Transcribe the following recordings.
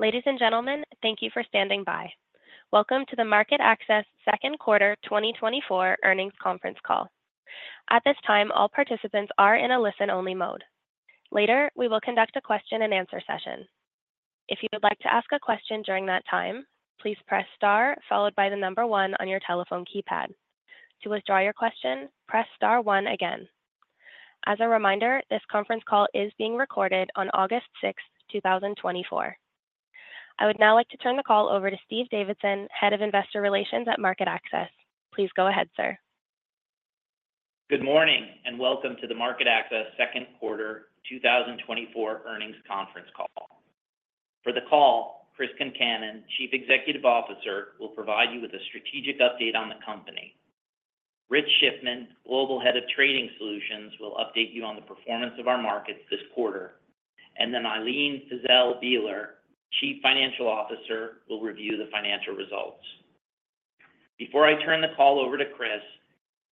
Ladies and gentlemen, thank you for standing by. Welcome to the MarketAxess Second Quarter 2024 Earnings Conference Call. At this time, all participants are in a listen-only mode. Later, we will conduct a question-and-answer session. If you would like to ask a question during that time, please press star followed by the number one on your telephone keypad. To withdraw your question, press star one again. As a reminder, this conference call is being recorded on August 6, 2024. I would now like to turn the call over to Steve Davidson, Head of Investor Relations at MarketAxess. Please go ahead, sir. Good morning and welcome to the MarketAxess Second Quarter 2024 Earnings Conference Call. For the call, Chris Concannon, Chief Executive Officer, will provide you with a strategic update on the company. Rich Schiffman, Global Head of Trading Solutions, will update you on the performance of our markets this quarter. Then Ilene Fiszel Bieler, Chief Financial Officer, will review the financial results. Before I turn the call over to Chris,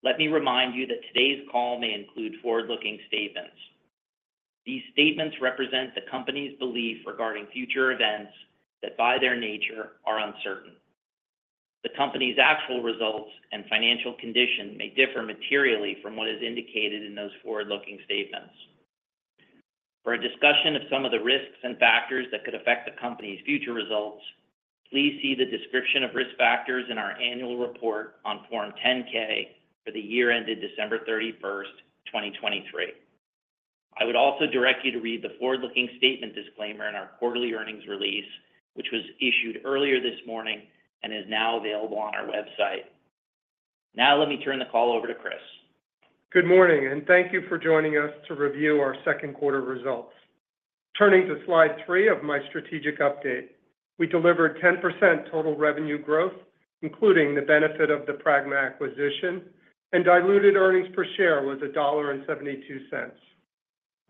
let me remind you that today's call may include forward-looking statements. These statements represent the company's belief regarding future events that, by their nature, are uncertain. The company's actual results and financial condition may differ materially from what is indicated in those forward-looking statements. For a discussion of some of the risks and factors that could affect the company's future results, please see the description of risk factors in our annual report on Form 10-K for the year ended December 31, 2023. I would also direct you to read the forward-looking statement disclaimer in our quarterly earnings release, which was issued earlier this morning and is now available on our website. Now, let me turn the call over to Chris. Good morning and thank you for joining us to review our second quarter results. Turning to slide three of my strategic updates, we delivered 10% total revenue growth, including the benefit of the Pragma acquisition, and diluted earnings per share was $1.72.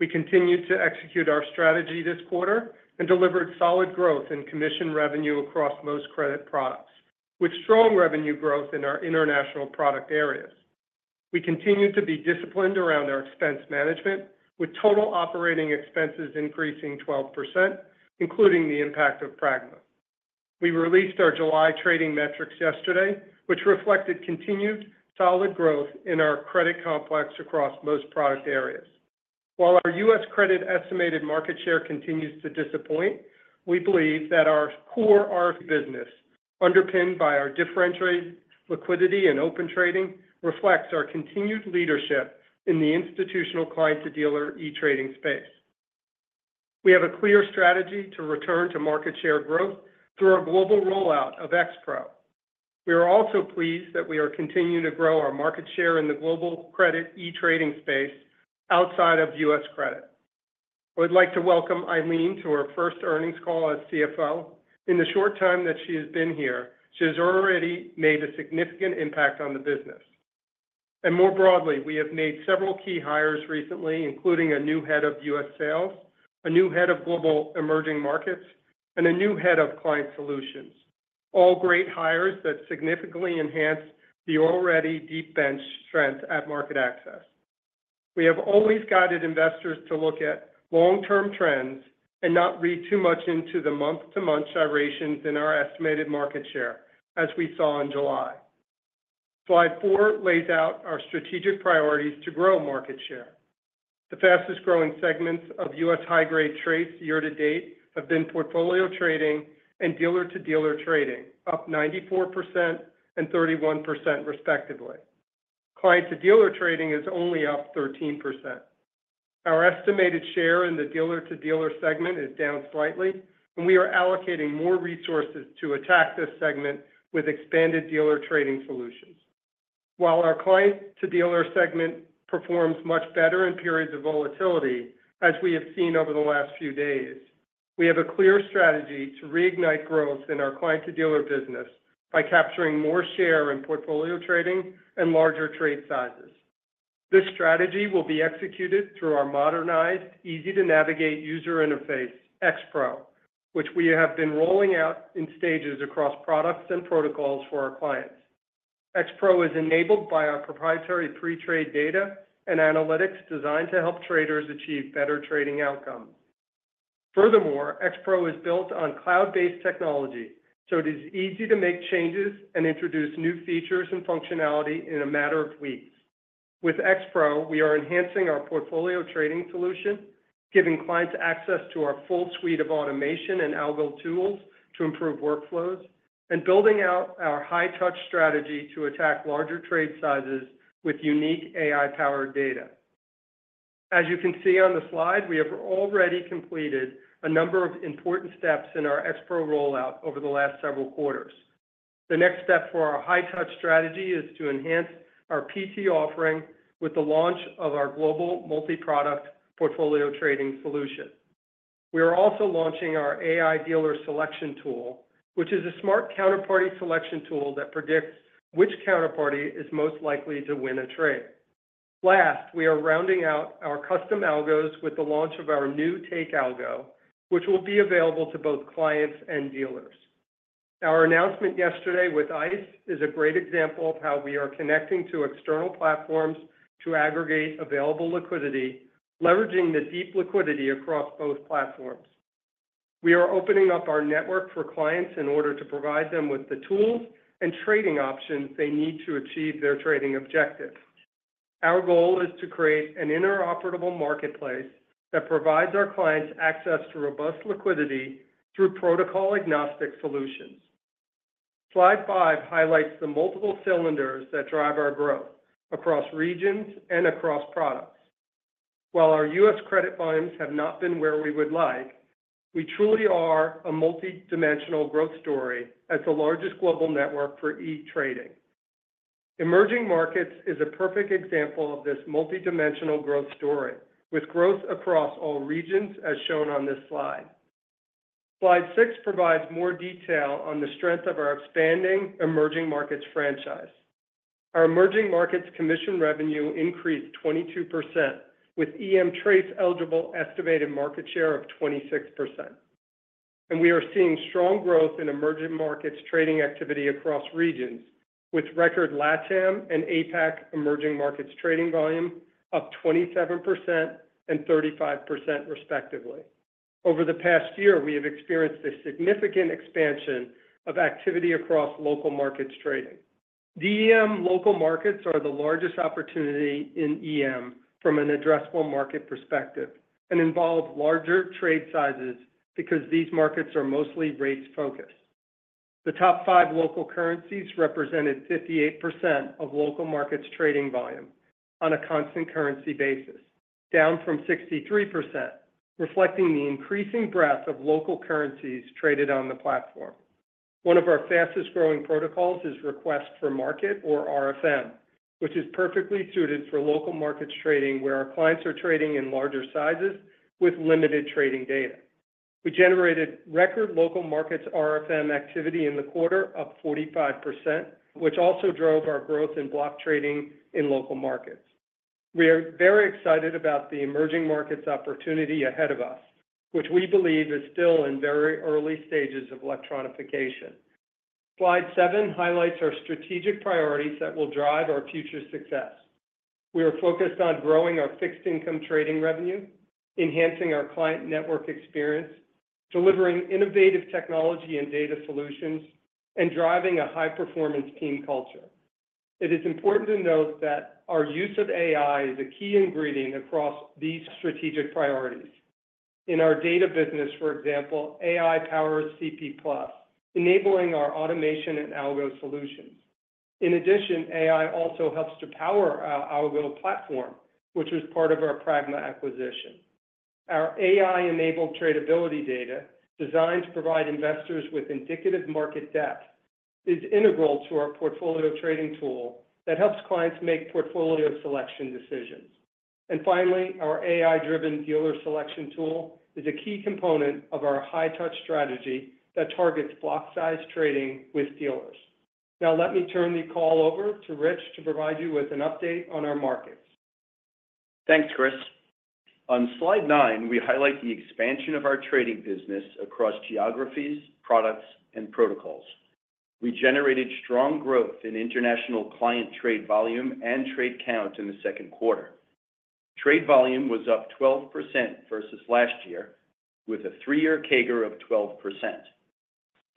We continued to execute our strategy this quarter and delivered solid growth in commission revenue across most credit products, with strong revenue growth in our international product areas. We continued to be disciplined around our expense management, with total operating expenses increasing 12%, including the impact of Pragma. We released our July trading metrics yesterday, which reflected continued solid growth in our credit complex across most product areas. While our U.S. credit estimated market share continues to disappoint, we believe that our core business, underpinned by our differentiated liquidity and Open Trading, reflects our continued leadership in the institutional client-to-dealer e-trading space. We have a clear strategy to return to market share growth through our global rollout of XPRO. We are also pleased that we are continuing to grow our market share in the global credit e-trading space outside of U.S. credit. I would like to welcome Ilene to our first earnings call as CFO. In the short time that she has been here, she has already made a significant impact on the business. More broadly, we have made several key hires recently, including a new head of U.S. sales, a new head of global emerging markets, and a new head of client solutions, all great hires that significantly enhance the already deep-bench strength at MarketAxess. We have always guided investors to look at long-term trends and not read too much into the month-to-month gyrations in our estimated market share, as we saw in July. Slide 4 lays out our strategic priorities to grow market share. The fastest-growing segments of U.S. high-grade trades year to date have been portfolio trading and dealer-to-dealer trading, up 94% and 31%, respectively. Client-to-dealer trading is only up 13%. Our estimated share in the dealer-to-dealer segment is down slightly, and we are allocating more resources to attack this segment with expanded dealer trading solutions. While our client-to-dealer segment performs much better in periods of volatility, as we have seen over the last few days, we have a clear strategy to reignite growth in our client-to-dealer business by capturing more share in portfolio trading and larger trade sizes. This strategy will be executed through our modernized, easy-to-navigate user interface, XPRO, which we have been rolling out in stages across products and protocols for our clients. XPRO is enabled by our proprietary pre-trade data and analytics designed to help traders achieve better trading outcomes. Furthermore, XPRO is built on cloud-based technology, so it is easy to make changes and introduce new features and functionality in a matter of weeks. With XPRO, we are enhancing our portfolio trading solution, giving clients access to our full suite of automation and algo tools to improve workflows, and building out our high-touch strategy to attack larger trade sizes with unique AI-powered data. As you can see on the slide, we have already completed a number of important steps in our XPRO rollout over the last several quarters. The next step for our high-touch strategy is to enhance our PT offering with the launch of our global multi-product portfolio trading solution. We are also launching our AI dealer selection tool, which is a smart counterparty selection tool that predicts which counterparty is most likely to win a trade. Last, we are rounding out our custom algos with the launch of our new take algo, which will be available to both clients and dealers. Our announcement yesterday with ICE is a great example of how we are connecting to external platforms to aggregate available liquidity, leveraging the deep liquidity across both platforms. We are opening up our network for clients in order to provide them with the tools and trading options they need to achieve their trading objectives. Our goal is to create an interoperable marketplace that provides our clients access to robust liquidity through protocol-agnostic solutions. Slide five highlights the multiple cylinders that drive our growth across regions and across products. While our U.S. Credit volumes have not been where we would like. We truly are a multi-dimensional growth story at the largest global network for e-trading. Emerging Markets is a perfect example of this multi-dimensional growth story, with growth across all regions as shown on this slide. Slide six provides more detail on the strength of our expanding Emerging Markets franchise. Our Emerging Markets commission revenue increased 22%, with EM trades eligible estimated market share of 26%. And we are seeing strong growth in Emerging Markets trading activity across regions, with record LATAM and APAC Emerging Markets trading volume up 27% and 35%, respectively. Over the past year, we have experienced a significant expansion of activity across local markets trading. The EM local markets are the largest opportunity in EM from an addressable market perspective and involve larger trade sizes because these markets are mostly rates focused. The top 5 local currencies represented 58% of local markets trading volume on a constant currency basis, down from 63%, reflecting the increasing breadth of local currencies traded on the platform. One of our fastest-growing protocols is Request for Market, or RFM, which is perfectly suited for local markets trading where our clients are trading in larger sizes with limited trading data. We generated record local markets RFM activity in the quarter of 45%, which also drove our growth in block trading in local markets. We are very excited about the emerging markets opportunity ahead of us, which we believe is still in very early stages of electronification. Slide 7 highlights our strategic priorities that will drive our future success. We are focused on growing our fixed income trading revenue, enhancing our client network experience, delivering innovative technology and data solutions, and driving a high-performance team culture. It is important to note that our use of AI is a key ingredient across these strategic priorities. In our data business, for example, AI powers CP+, enabling our automation and algo solutions. In addition, AI also helps to power our algo platform, which was part of our Pragma acquisition. Our AI-enabled Tradability data, designed to provide investors with indicative market depth, is integral to our portfolio trading tool that helps clients make portfolio selection decisions. And finally, our AI-driven dealer selection tool is a key component of our high-touch strategy that targets block-size trading with dealers. Now, let me turn the call over to Rich to provide you with an update on our markets. Thanks, Chris. On slide nine, we highlight the expansion of our trading business across geographies, products, and protocols. We generated strong growth in international client trade volume and trade count in the second quarter. Trade volume was up 12%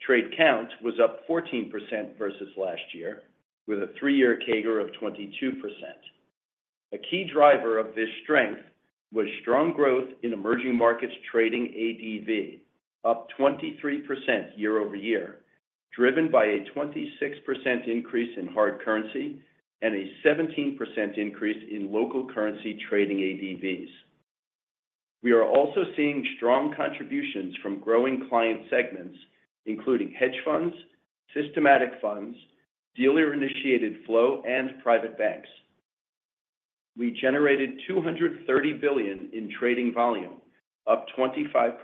versus last year, with a three-year CAGR of 12%. Trade count was up 14% versus last year, with a three-year CAGR of 22%. A key driver of this strength was strong growth in emerging markets trading ADV, up 23% year-over-year, driven by a 26% increase in hard currency and a 17% increase in local currency trading ADVs. We are also seeing strong contributions from growing client segments, including hedge funds, systematic funds, dealer-initiated flow, and private banks. We generated $230 billion in trading volume, up 25%,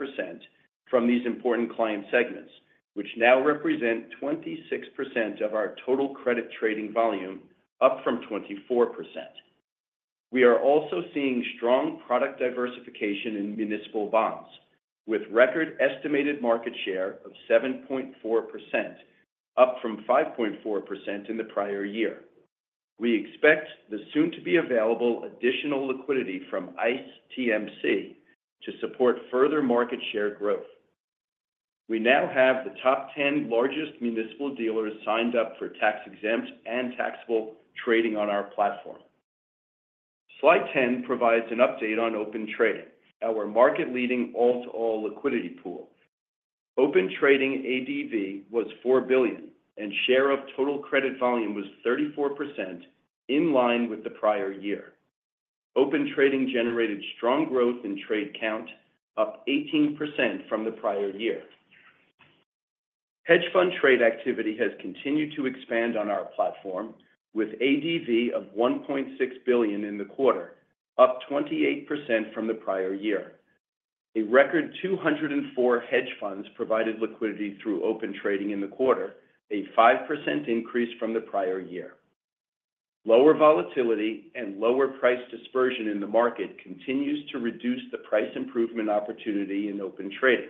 from these important client segments, which now represent 26% of our total credit trading volume, up from 24%. We are also seeing strong product diversification in municipal bonds, with record estimated market share of 7.4%, up from 5.4% in the prior year. We expect the soon-to-be-available additional liquidity from ICE TMC to support further market share growth. We now have the top 10 largest municipal dealers signed up for tax-exempt and taxable trading on our platform. Slide 10 provides an update on Open Trading, our market-leading all-to-all liquidity pool. Open Trading ADV was $4 billion, and share of total credit volume was 34%, in line with the prior year. Open Trading generated strong growth in trade count, up 18% from the prior year. Hedge fund trade activity has continued to expand on our platform, with ADV of $1.6 billion in the quarter, up 28% from the prior year. A record 204 hedge funds provided liquidity through Open Trading in the quarter, a 5% increase from the prior year. Lower volatility and lower price dispersion in the market continues to reduce the price improvement opportunity in Open Trading,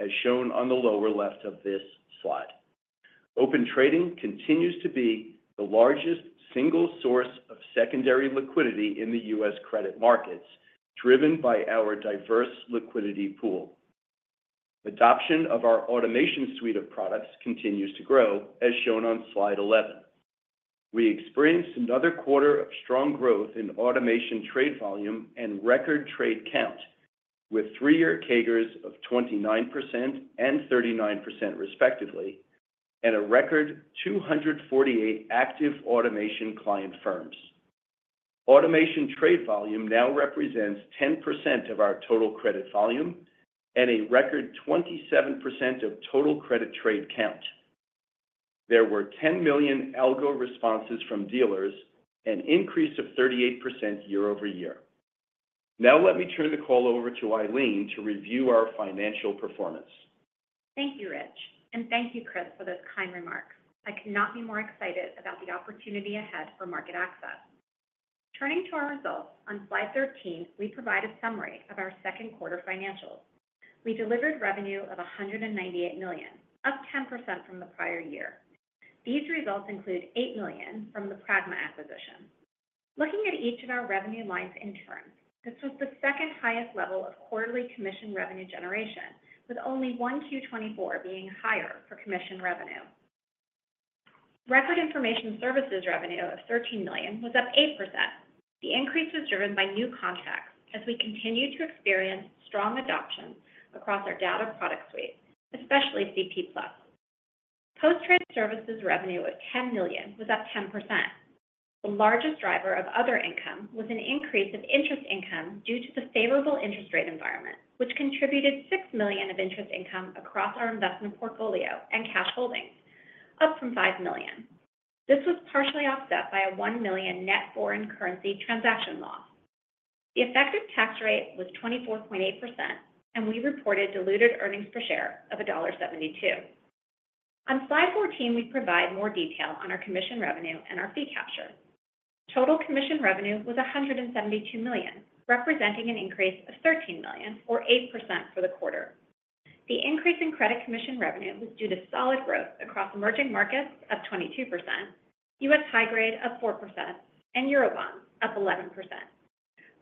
as shown on the lower left of this slide. Open Trading continues to be the largest single source of secondary liquidity in the U.S. credit markets, driven by our diverse liquidity pool. Adoption of our automation suite of products continues to grow, as shown on slide 11. We experienced another quarter of strong growth in automation trade volume and record trade count, with three-year CAGRs of 29% and 39%, respectively, and a record 248 active automation client firms. Automation trade volume now represents 10% of our total credit volume and a record 27% of total credit trade count. There were 10 million algo responses from dealers, an increase of 38% year-over-year. Now, let me turn the call over to Ilene to review our financial performance. Thank you, Rich, and thank you, Chris, for those kind remarks. I could not be more excited about the opportunity ahead for MarketAxess. Turning to our results, on slide 13, we provide a summary of our second quarter financials. We delivered revenue of $198 million, up 10% from the prior year. These results include $8 million from the Pragma acquisition. Looking at each of our revenue lines in charts, this was the second highest level of quarterly commission revenue generation, with only 1Q 2024 being higher for commission revenue. Record Information Services revenue of $13 million was up 8%. The increase was driven by new contacts as we continue to experience strong adoption across our data product suite, especially CP+. Post-Trade Services revenue of $10 million was up 10%. The largest driver of other income was an increase of interest income due to the favorable interest rate environment, which contributed $6 million of interest income across our investment portfolio and cash holdings, up from $5 million. This was partially offset by a $1 million net foreign currency transaction loss. The effective tax rate was 24.8%, and we reported diluted earnings per share of $1.72. On slide 14, we provide more detail on our commission revenue and our fee capture. Total commission revenue was $172 million, representing an increase of $13 million, or 8%, for the quarter. The increase in credit commission revenue was due to solid growth across emerging markets of 22%, U.S. high-grade of 4%, and Eurobonds of 11%.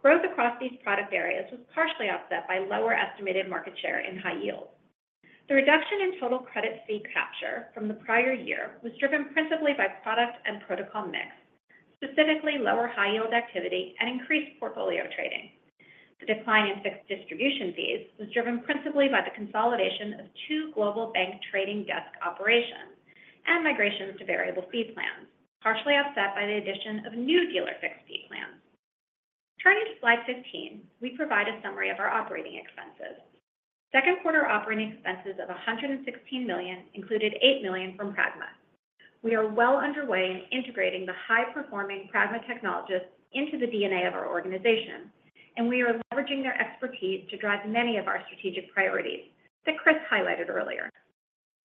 Growth across these product areas was partially offset by lower estimated market share in high-yield. The reduction in total credit fee capture from the prior year was driven principally by product and protocol mix, specifically lower high-yield activity and increased portfolio trading. The decline in fixed distribution fees was driven principally by the consolidation of two global bank trading desk operations and migrations to variable fee plans, partially offset by the addition of new dealer fixed fee plans. Turning to Slide 15, we provide a summary of our operating expenses. Second quarter operating expenses of $116 million included $8 million from Pragma. We are well underway in integrating the high-performing Pragma technologists into the DNA of our organization, and we are leveraging their expertise to drive many of our strategic priorities that Chris highlighted earlier.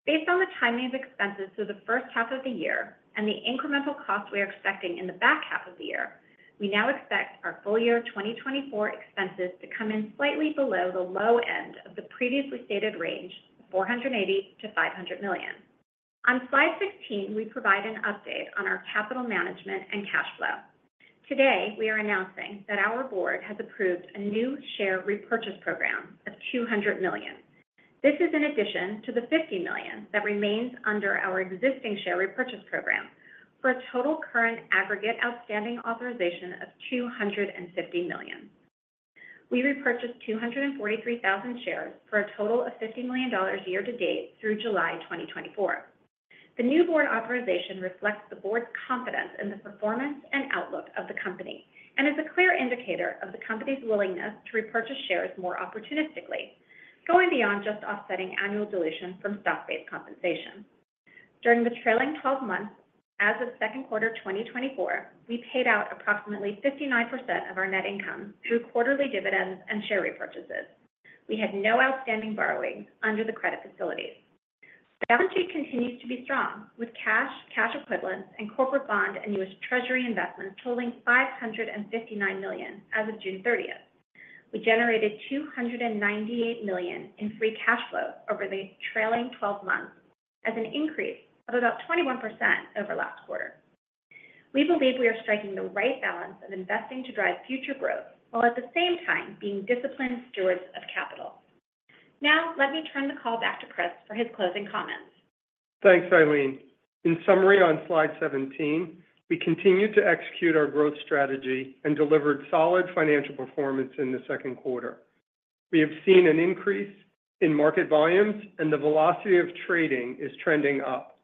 Based on the timing of expenses through the first half of the year and the incremental costs we are expecting in the back half of the year, we now expect our full year 2024 expenses to come in slightly below the low end of the previously stated range, $480 million-$500 million. On Slide 16, we provide an update on our capital management and cash flow. Today, we are announcing that our Board has approved a new share repurchase program of $200 million. This is in addition to the $50 million that remains under our existing share repurchase program for a total current aggregate outstanding authorization of $250 million. We repurchased 243,000 shares for a total of $50 million year to date through July 2024. The new board authorization reflects the board's confidence in the performance and outlook of the company and is a clear indicator of the company's willingness to repurchase shares more opportunistically, going beyond just offsetting annual dilution from stock-based compensation. During the trailing 12 months, as of second quarter 2024, we paid out approximately 59% of our net income through quarterly dividends and share repurchases. We had no outstanding borrowing under the credit facilities. Balance sheet continues to be strong, with cash, cash equivalents, and corporate bond and U.S. Treasury investments totaling $559 million as of June 30th. We generated $298 million in free cash flow over the trailing 12 months as an increase of about 21% over last quarter. We believe we are striking the right balance of investing to drive future growth while at the same time being disciplined stewards of capital. Now, let me turn the call back to Chris for his closing comments. Thanks, Ilene. In summary, on slide 17, we continued to execute our growth strategy and delivered solid financial performance in the second quarter. We have seen an increase in market volumes, and the velocity of trading is trending up.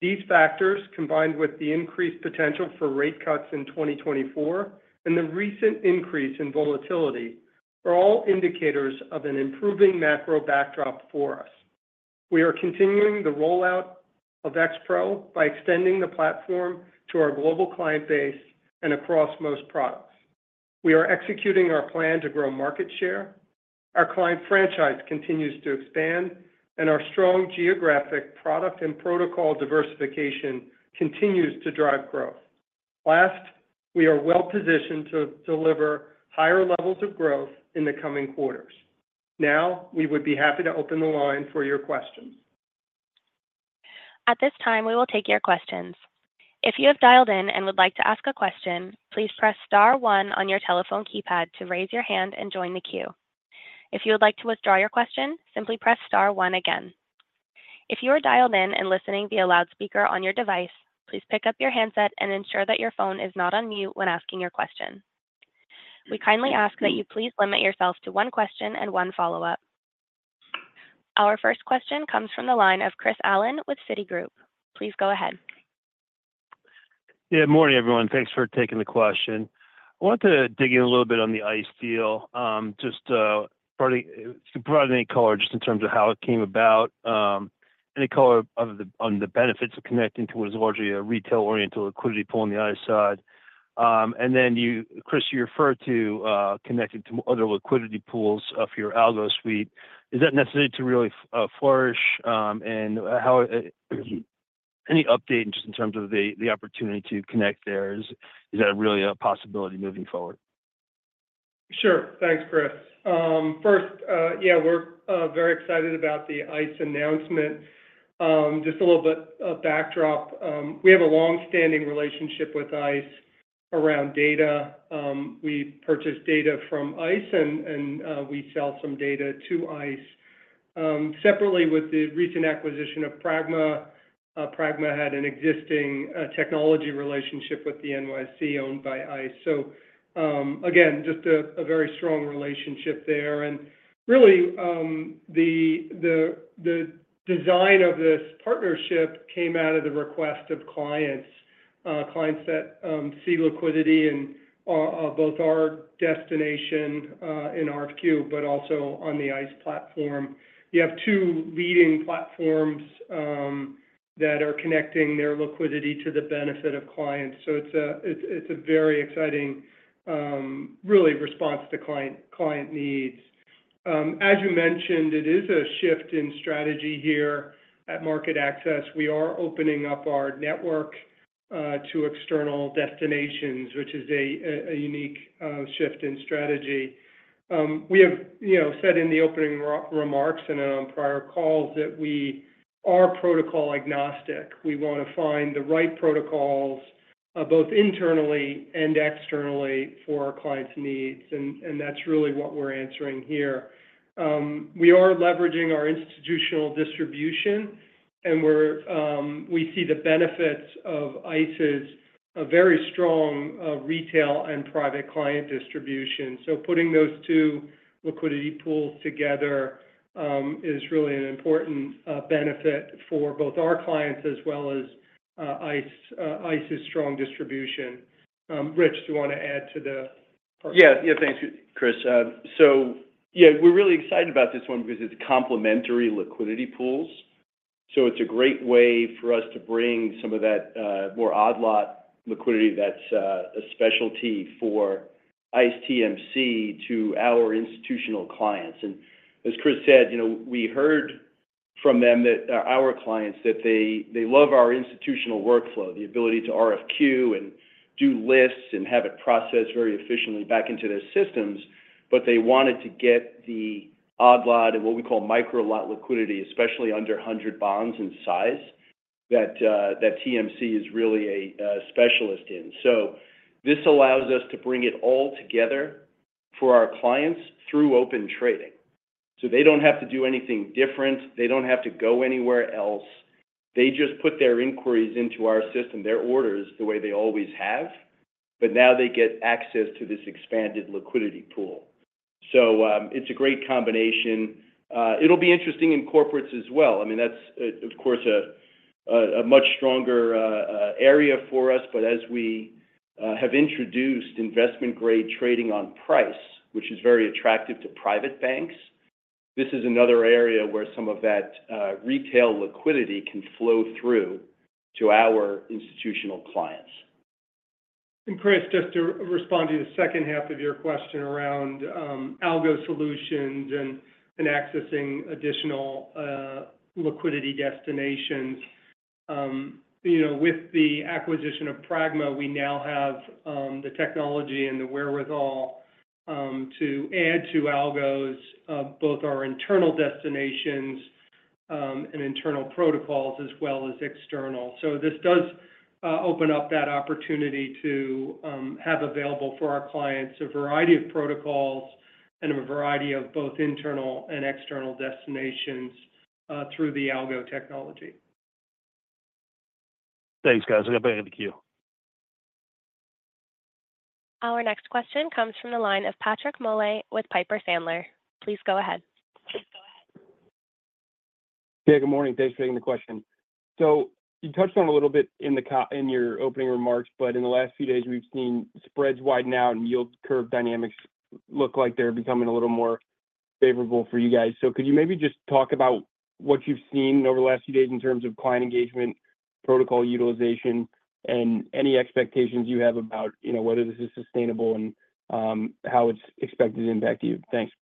These factors, combined with the increased potential for rate cuts in 2024 and the recent increase in volatility, are all indicators of an improving macro backdrop for us. We are continuing the rollout of XPRO by extending the platform to our global client base and across most products. We are executing our plan to grow market share. Our client franchise continues to expand, and our strong geographic product and protocol diversification continues to drive growth. Last, we are well positioned to deliver higher levels of growth in the coming quarters. Now, we would be happy to open the line for your questions. At this time, we will take your questions. If you have dialed in and would like to ask a question, please press star one on your telephone keypad to raise your hand and join the queue. If you would like to withdraw your question, simply press star one again. If you are dialed in and listening via loudspeaker on your device, please pick up your handset and ensure that your phone is not on mute when asking your question. We kindly ask that you please limit yourself to one question and one follow-up. Our first question comes from the line of Chris Allen with Citi. Please go ahead. Yeah, morning, everyone. Thanks for taking the question. I want to dig in a little bit on the ICE deal, just to provide any color just in terms of how it came about, any color on the benefits of connecting to what is largely a retail-oriented liquidity pool on the ICE side. And then, Chris, you referred to connecting to other liquidity pools for your algo suite. Is that necessary to really flourish? And any update just in terms of the opportunity to connect there? Is that really a possibility moving forward? Sure. Thanks, Chris. First, yeah, we're very excited about the ICE announcement. Just a little bit of backdrop. We have a long-standing relationship with ICE around data. We purchase data from ICE, and we sell some data to ICE. Separately, with the recent acquisition of Pragma, Pragma had an existing technology relationship with the NYSE owned by ICE. So, again, just a very strong relationship there. And really, the design of this partnership came out of the request of clients, clients that see liquidity in both our destination in RFQ, but also on the ICE platform. You have two leading platforms that are connecting their liquidity to the benefit of clients. So, it's a very exciting, really, response to client needs. As you mentioned, it is a shift in strategy here at MarketAxess. We are opening up our network to external destinations, which is a unique shift in strategy. We have said in the opening remarks and on prior calls that we are protocol agnostic. We want to find the right protocols both internally and externally for our clients' needs, and that's really what we're answering here. We are leveraging our institutional distribution, and we see the benefits of ICE's very strong retail and private client distribution. So putting those two liquidity pools together is really an important benefit for both our clients as well as ICE's strong distribution. Rich, do you want to add to the? Yeah, yeah, thanks, Chris. So yeah, we're really excited about this one because it's complementary liquidity pools. So it's a great way for us to bring some of that more odd lot liquidity that's a specialty for ICE TMC to our institutional clients. And as Chris said, we heard from them, our clients, that they love our institutional workflow, the ability to RFQ and do lists and have it processed very efficiently back into their systems, but they wanted to get the odd lot and what we call micro-lot liquidity, especially under 100 bonds in size, that TMC is really a specialist in. So this allows us to bring it all together for our clients through Open Trading. So they don't have to do anything different. They don't have to go anywhere else. They just put their inquiries into our system, their orders, the way they always have, but now they get access to this expanded liquidity pool. So, it's a great combination. It'll be interesting in corporates as well. I mean, that's, of course, a much stronger area for us, but as we have introduced investment-grade trading on price, which is very attractive to private banks, this is another area where some of that retail liquidity can flow through to our institutional clients. Chris, just to respond to the second half of your question around algo solutions and accessing additional liquidity destinations. With the acquisition of Pragma, we now have the technology and the wherewithal to add to algos both our internal destinations and internal protocols as well as external. So this does open up that opportunity to have available for our clients a variety of protocols and a variety of both internal and external destinations through the algo technology. Thanks, guys. I'm going to bang the queue. Our next question comes from the line of Patrick Moley with Piper Sandler. Please go ahead. Yeah, good morning. Thanks for taking the question. So, you touched on a little bit in your opening remarks, but in the last few days, we've seen spreads widen out and yield curve dynamics look like they're becoming a little more favorable for you guys. So, could you maybe just talk about what you've seen over the last few days in terms of client engagement, protocol utilization, and any expectations you have about whether this is sustainable and how it's expected to impact you? Thanks.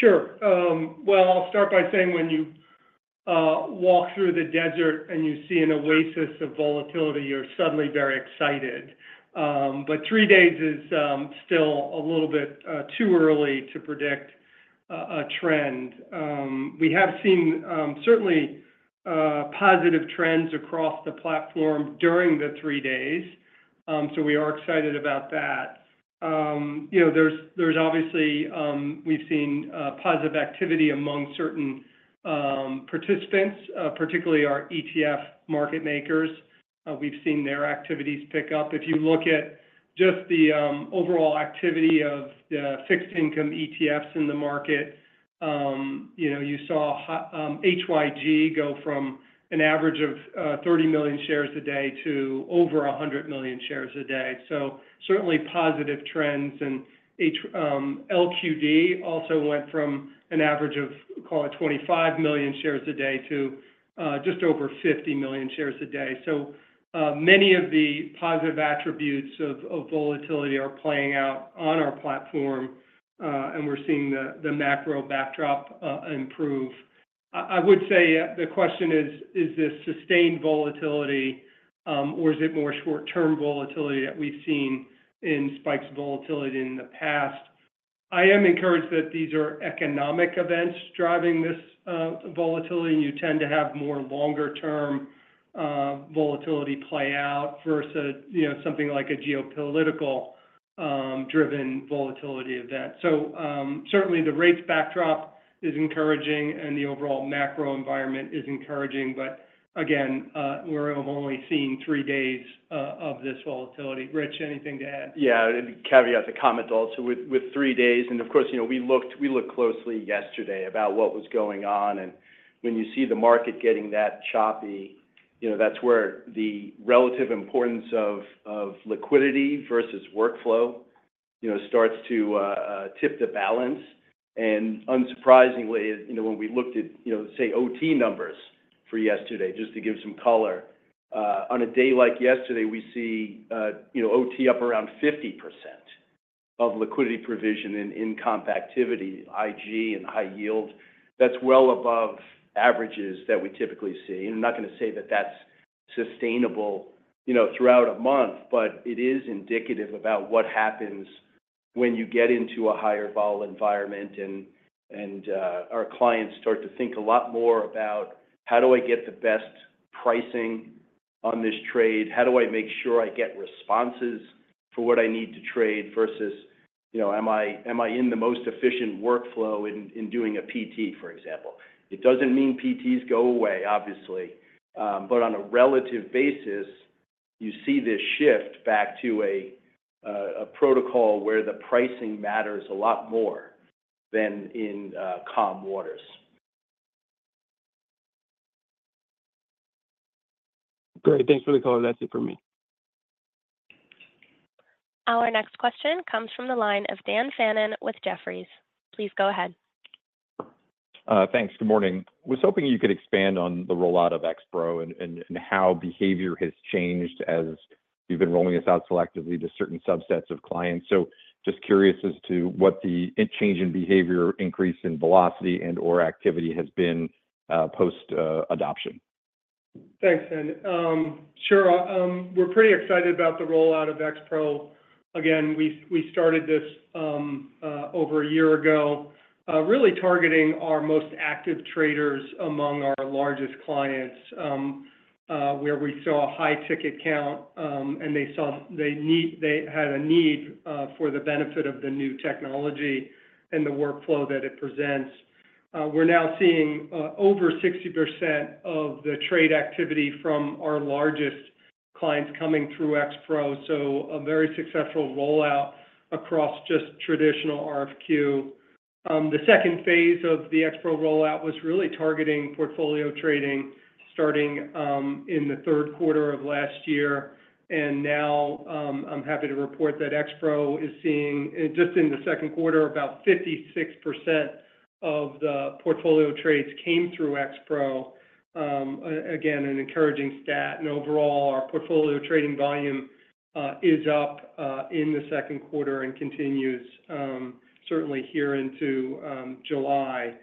Sure. Well, I'll start by saying when you walk through the desert and you see an oasis of volatility, you're suddenly very excited. But three days is still a little bit too early to predict a trend. We have seen certainly positive trends across the platform during the three days, so we are excited about that. There's obviously we've seen positive activity among certain participants, particularly our ETF market makers. We've seen their activities pick up. If you look at just the overall activity of the fixed income ETFs in the market, you saw HYG go from an average of 30 million shares a day to over 100 million shares a day. So certainly positive trends. And LQD also went from an average of, call it, 25 million shares a day to just over 50 million shares a day. So many of the positive attributes of volatility are playing out on our platform, and we're seeing the macro backdrop improve. I would say the question is, is this sustained volatility, or is it more short-term volatility that we've seen in spikes of volatility in the past? I am encouraged that these are economic events driving this volatility, and you tend to have more longer-term volatility play out versus something like a geopolitical-driven volatility event. So certainly the rates backdrop is encouraging, and the overall macro environment is encouraging. But again, we're only seeing three days of this volatility. Rich, anything to add? Yeah, caveat a comment, also, with three days. Of course, we looked closely yesterday about what was going on. When you see the market getting that choppy, that's where the relative importance of liquidity versus workflow starts to tip the balance. Unsurprisingly, when we looked at, say, OT numbers for yesterday, just to give some color, on a day like yesterday, we see OT up around 50% of liquidity provision in comp activity, IG and high yield. That's well above averages that we typically see. I'm not going to say that that's sustainable throughout a month, but it is indicative about what happens when you get into a higher vol environment and our clients start to think a lot more about, how do I get the best pricing on this trade? How do I make sure I get responses for what I need to trade versus am I in the most efficient workflow in doing a PT, for example? It doesn't mean PTs go away, obviously, but on a relative basis, you see this shift back to a protocol where the pricing matters a lot more than in calm waters. Great. Thanks for the call. That's it for me. Our next question comes from the line of Dan Fannon with Jefferies. Please go ahead. Thanks. Good morning. I was hoping you could expand on the rollout of XPRO and how behavior has changed as you've been rolling this out selectively to certain subsets of clients. So just curious as to what the change in behavior, increase in velocity, and/or activity has been post-adoption? Thanks, Dan. Sure. We're pretty excited about the rollout of XPRO. Again, we started this over a year ago, really targeting our most active traders among our largest clients, where we saw a high ticket count, and they had a need for the benefit of the new technology and the workflow that it presents. We're now seeing over 60% of the trade activity from our largest clients coming through XPRO, so a very successful rollout across just traditional RFQ. The second phase of the XPRO rollout was really targeting portfolio trading starting in the third quarter of last year. And now I'm happy to report that XPRO is seeing, just in the second quarter, about 56% of the portfolio trades came through XPRO. Again, an encouraging stat. And overall, our portfolio trading volume is up in the second quarter and continues certainly here into July.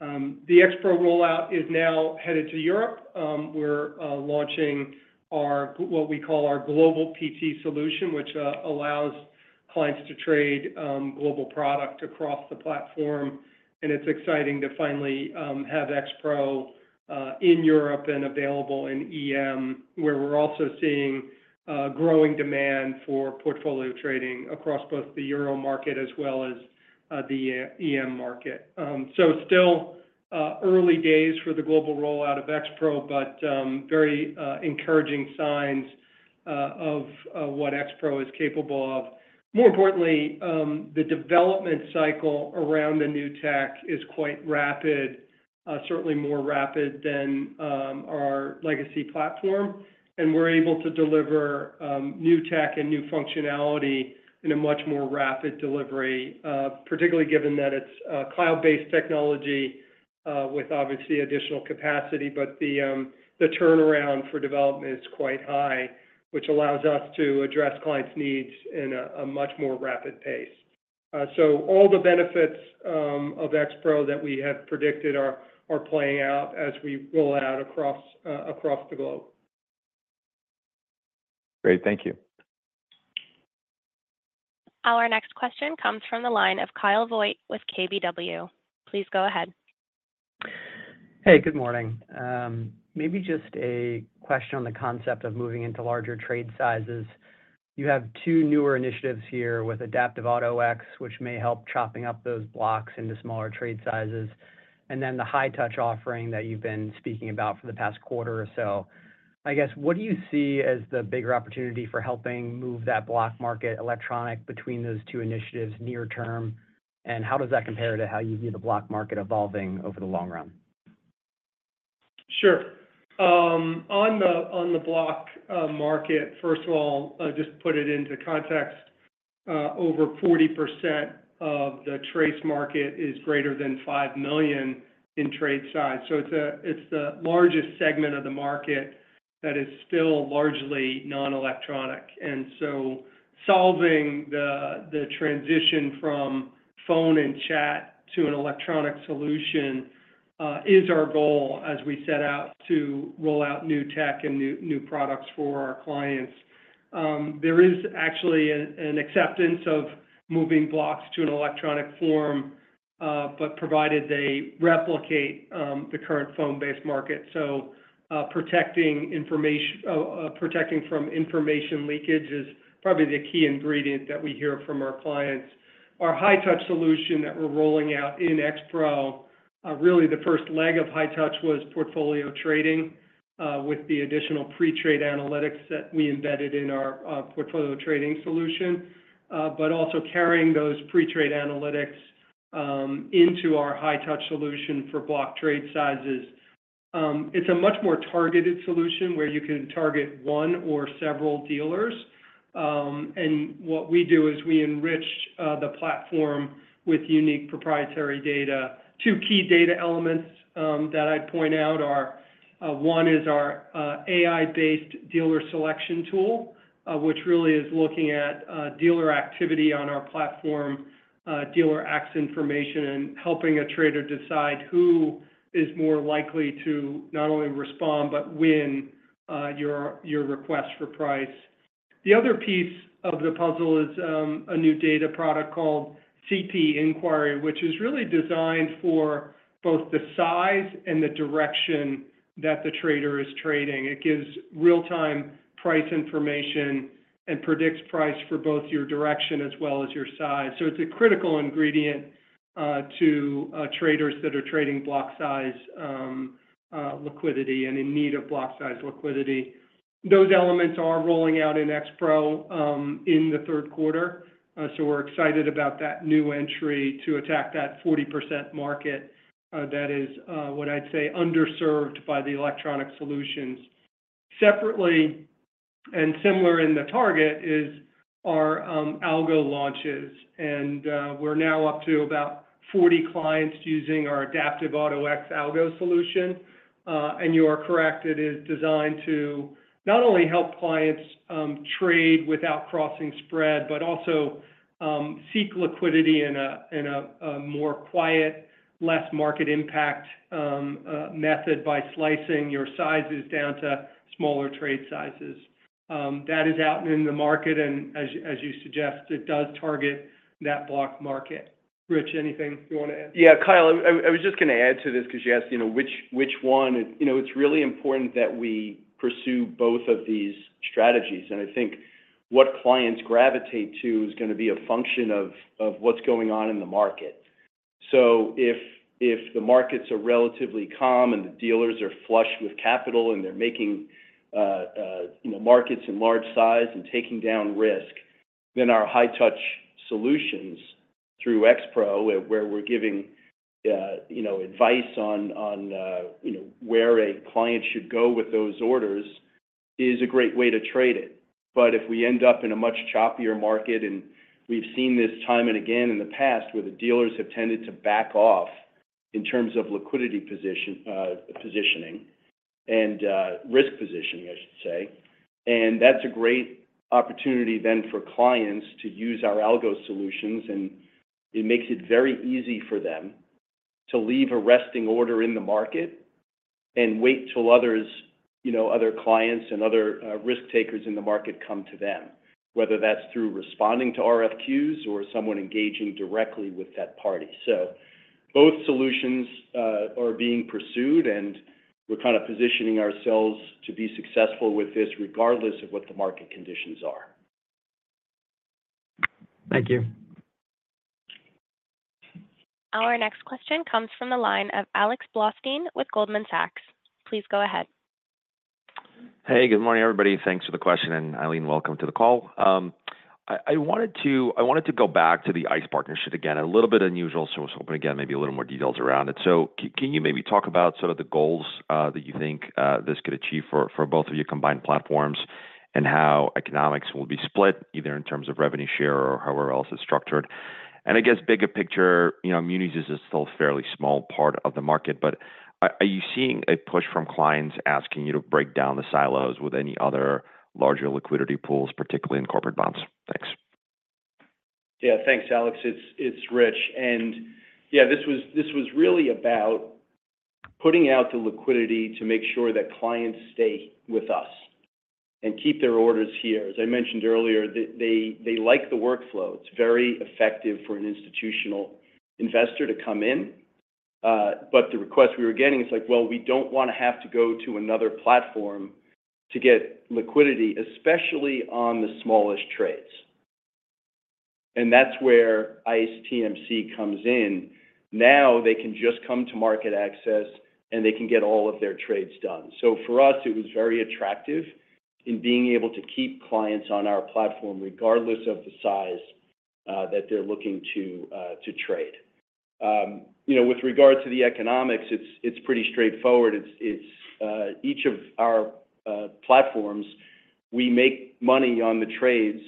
The XPRO rollout is now headed to Europe. We're launching what we call our global PT solution, which allows clients to trade global product across the platform. It's exciting to finally have XPRO in Europe and available in EM, where we're also seeing growing demand for portfolio trading across both the Euro market as well as the EM market. Still early days for the global rollout of XPRO, but very encouraging signs of what XPRO is capable of. More importantly, the development cycle around the new tech is quite rapid, certainly more rapid than our legacy platform. We're able to deliver new tech and new functionality in a much more rapid delivery, particularly given that it's cloud-based technology with, obviously, additional capacity. The turnaround for development is quite high, which allows us to address clients' needs in a much more rapid pace. So, all the benefits of XPRO that we have predicted are playing out as we roll out across the globe. Great. Thank you. Our next question comes from the line of Kyle Voigt with KBW. Please go ahead. Hey, good morning. Maybe just a question on the concept of moving into larger trade sizes. You have two newer initiatives here with Adaptive Auto-X, which may help chopping up those blocks into smaller trade sizes, and then the high-touch offering that you've been speaking about for the past quarter or so. I guess, what do you see as the bigger opportunity for helping move that block market electronic between those two initiatives near term? How does that compare to how you view the block market evolving over the long run? Sure. On the block market, first of all, just put it into context, over 40% of the TRACE market is greater than $5 million in trade size. So it's the largest segment of the market that is still largely non-electronic. And so solving the transition from phone and chat to an electronic solution is our goal as we set out to roll out new tech and new products for our clients. There is actually an acceptance of moving blocks to an electronic form, but provided they replicate the current phone-based market. So protecting from information leakage is probably the key ingredient that we hear from our clients. Our high-touch solution that we're rolling out in XPRO, really the first leg of high-touch was portfolio trading with the additional pre-trade analytics that we embedded in our portfolio trading solution but also carrying those pre-trade analytics into our high-touch solution for block trade sizes. It's a much more targeted solution where you can target one or several dealers. What we do is we enrich the platform with unique proprietary data. Two key data elements that I'd point out are one is our AI-based dealer selection tool, which really is looking at dealer activity on our platform, dealer axes information, and helping a trader decide who is more likely to not only respond but win your request for price. The other piece of the puzzle is a new data product called CP+ Inquiry, which is really designed for both the size and the direction that the trader is trading. It gives real-time price information and predicts price for both your direction as well as your size. So it's a critical ingredient to traders that are trading block size liquidity and in need of block size liquidity. Those elements are rolling out in XPRO in the third quarter. So we're excited about that new entry to attack that 40% market that is, what I'd say, underserved by the electronic solutions. Separately and similar in the target is our algo launches. And we're now up to about 40 clients using our Adaptive Auto-X algo solution. And you are correct, it is designed to not only help clients trade without crossing spread, but also seek liquidity in a more quiet, less market impact method by slicing your sizes down to smaller trade sizes. That is out and in the market. And as you suggest, it does target that block market. Rich, anything you want to add? Yeah, Kyle, I was just going to add to this because you asked which one. It's really important that we pursue both of these strategies. I think what clients gravitate to is going to be a function of what's going on in the market. If the markets are relatively calm and the dealers are flush with capital and they're making markets in large size and taking down risk, then our high-touch solutions through XPRO, where we're giving advice on where a client should go with those orders, is a great way to trade it. But if we end up in a much choppier market, and we've seen this time and again in the past where the dealers have tended to back off in terms of liquidity positioning and risk positioning, I should say, and that's a great opportunity then for clients to use our algo solutions. It makes it very easy for them to leave a resting order in the market and wait till other clients and other risk takers in the market come to them, whether that's through responding to RFQs or someone engaging directly with that party. Both solutions are being pursued, and we're kind of positioning ourselves to be successful with this regardless of what the market conditions are. Thank you. Our next question comes from the line of Alex Blostein with Goldman Sachs. Please go ahead. Hey, good morning, everybody. Thanks for the question. And Ilene, welcome to the call. I wanted to go back to the ICE partnership again. A little bit unusual, so I was hoping to get maybe a little more detail around it. So, can you maybe talk about sort of the goals that you think this could achieve for both of your combined platforms and how economics will be split, either in terms of revenue share or however else it's structured? And I guess, bigger picture, munis is still a fairly small part of the market, but are you seeing a push from clients asking you to break down the silos with any other larger liquidity pools, particularly in corporate bonds? Thanks. Yeah, thanks, Alex. It's rich. And yeah, this was really about putting out the liquidity to make sure that clients stay with us and keep their orders here. As I mentioned earlier, they like the workflow. It's very effective for an institutional investor to come in. But the request we were getting, it's like, well, we don't want to have to go to another platform to get liquidity, especially on the smallest trades. And that's where ICE TMC comes in. Now they can just come to MarketAxess, and they can get all of their trades done. So, for us, it was very attractive in being able to keep clients on our platform regardless of the size that they're looking to trade. With regard to the economics, it's pretty straightforward. Each of our platforms, we make money on the trades,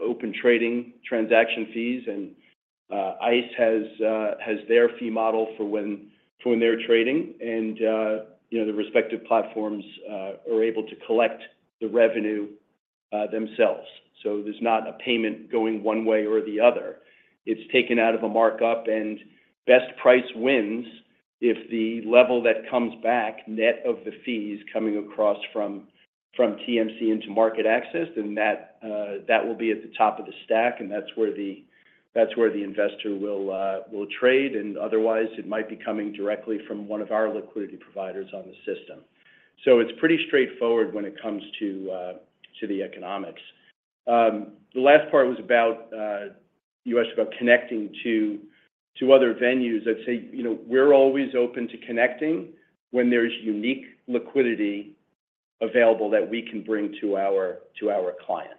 Open Trading transaction fees, and ICE has their fee model for when they're trading. The respective platforms are able to collect the revenue themselves. So, there's not a payment going one way or the other. It's taken out of a markup, and best price wins if the level that comes back net of the fees coming across from TMC into MarketAxess, then that will be at the top of the stack, and that's where the investor will trade. Otherwise, it might be coming directly from one of our liquidity providers on the system. So, it's pretty straightforward when it comes to the economics. The last part was about you asked about connecting to other venues. I'd say we're always open to connecting when there's unique liquidity available that we can bring to our clients.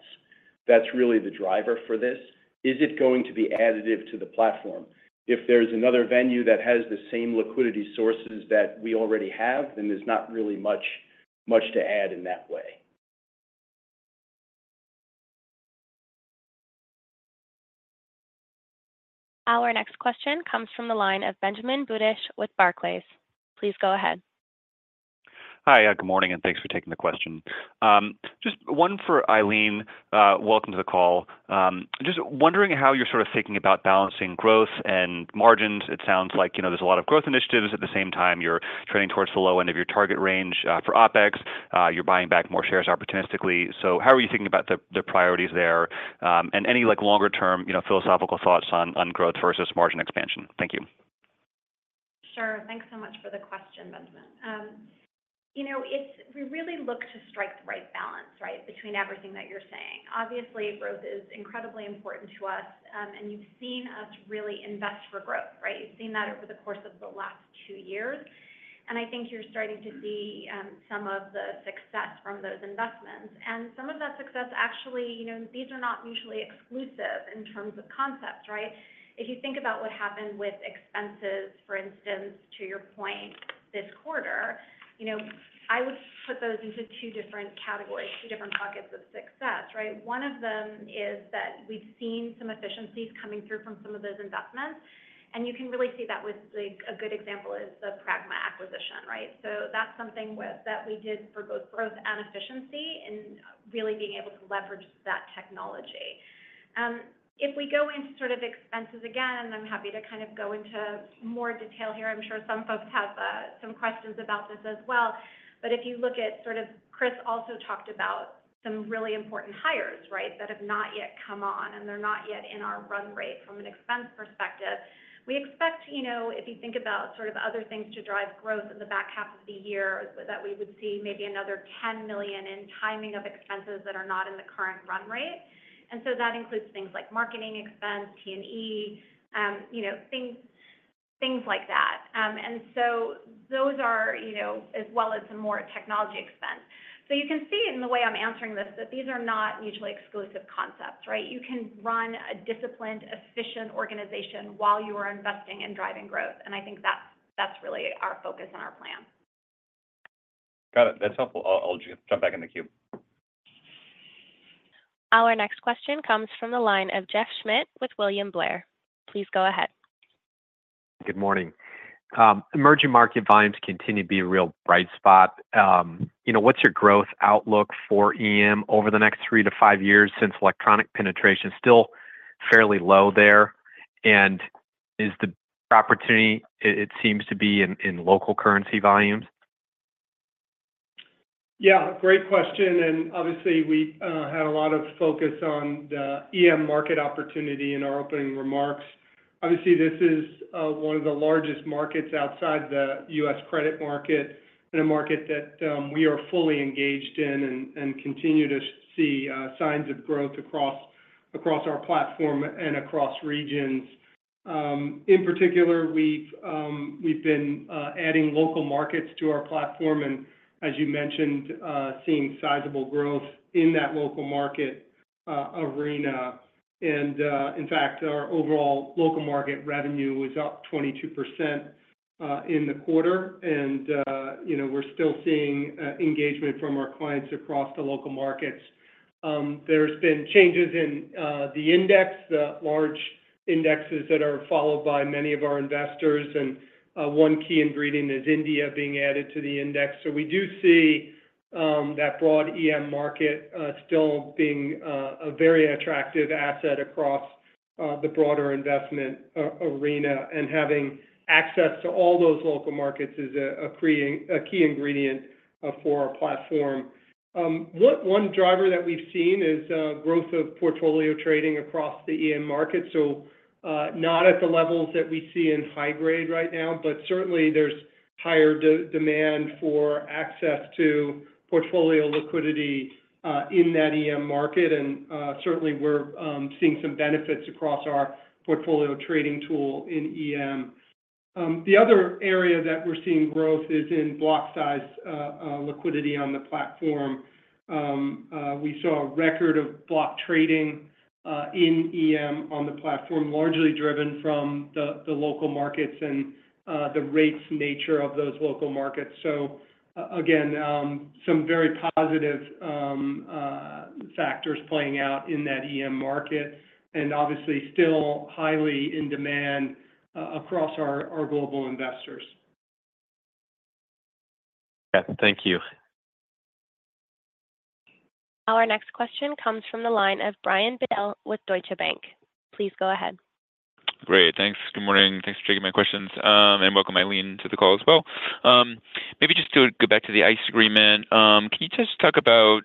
That's really the driver for this. Is it going to be additive to the platform? If there's another venue that has the same liquidity sources that we already have, then there's not really much to add in that way. Our next question comes from the line of Benjamin Budish with Barclays. Please go ahead. Hi, good morning, and thanks for taking the question. Just one for Ilene, welcome to the call. Just wondering how you're sort of thinking about balancing growth and margins. It sounds like there's a lot of growth initiatives. At the same time, you're trading towards the low end of your target range for OpEx. You're buying back more shares opportunistically. So how are you thinking about the priorities there? And any longer-term philosophical thoughts on growth versus margin expansion? Thank you. Sure. Thanks so much for the question, Benjamin. We really look to strike the right balance between everything that you're saying. Obviously, growth is incredibly important to us, and you've seen us really invest for growth. You've seen that over the course of the last 2 years. And I think you're starting to see some of the success from those investments. And some of that success, actually, these are not mutually exclusive in terms of concepts. If you think about what happened with expenses, for instance, to your point this quarter, I would put those into 2 different categories, 2 different pockets of success. One of them is that we've seen some efficiencies coming through from some of those investments. And you can really see that with a good example is the Pragma acquisition. So that's something that we did for both growth and efficiency in really being able to leverage that technology. If we go into sort of expenses again, I'm happy to kind of go into more detail here. I'm sure some folks have some questions about this as well. But if you look at sort of Chris also talked about some really important hires that have not yet come on, and they're not yet in our run rate from an expense perspective. We expect, if you think about sort of other things to drive growth in the back half of the year, that we would see maybe another $10 million in timing of expenses that are not in the current run rate. And so that includes things like marketing expense, T&E, things like that. And so those are as well as some more technology expense. So you can see in the way I'm answering this that these are not mutually exclusive concepts. You can run a disciplined, efficient organization while you are investing and driving growth. And I think that's really our focus and our plan. Got it. That's helpful. I'll just jump back in the queue. Our next question comes from the line of Jeff Schmitt with William Blair. Please go ahead. Good morning. Emerging Markets volumes continue to be a real bright spot. What's your growth outlook for EM over the next three to five years since electronic penetration? Still fairly low there. Is the opportunity, it seems to be, in local currency volumes? Yeah, great question. Obviously, we had a lot of focus on the EM market opportunity in our opening remarks. Obviously, this is one of the largest markets outside the U.S. credit market and a market that we are fully engaged in and continue to see signs of growth across our platform and across regions. In particular, we've been adding local markets to our platform and, as you mentioned, seeing sizable growth in that local market arena. In fact, our overall local market revenue was up 22% in the quarter. We're still seeing engagement from our clients across the local markets. There's been changes in the index, the large indexes that are followed by many of our investors. One key ingredient is India being added to the index. We do see that broad EM market still being a very attractive asset across the broader investment arena. Having access to all those local markets is a key ingredient for our platform. One driver that we've seen is growth of portfolio trading across the EM market. So not at the levels that we see in high grade right now, but certainly there's higher demand for access to portfolio liquidity in that EM market. Certainly, we're seeing some benefits across our portfolio trading tool in EM. The other area that we're seeing growth is in block size liquidity on the platform. We saw a record of block trading in EM on the platform, largely driven from the local markets and the rates nature of those local markets. So again, some very positive factors playing out in that EM market and obviously still highly in demand across our global investors. Yeah, thank you. Our next question comes from the line of Brian Bedell with Deutsche Bank. Please go ahead. Great. Thanks. Good morning. Thanks for taking my questions. And welcome, Ilene, to the call as well. Maybe just to go back to the ICE agreement, can you just talk about